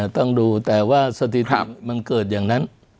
ต้องดูแต่ว่าสถิติมันเกิดอย่างนั้น